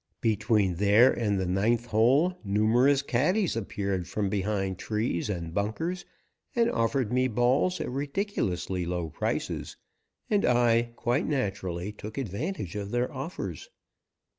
Between there and the ninth hole numerous caddies appeared from behind trees and bunkers and offered me balls at ridiculously low prices, and I, quite naturally, took advantage of their offers.